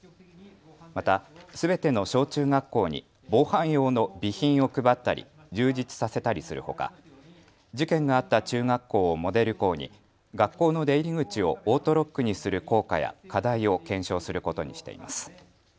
またすべての小中学校に防犯用の備品を配ったり充実させたりするほか事件があった中学校をモデル校に学校の出入り口をオートロックにする効果や課題を検証することにしています。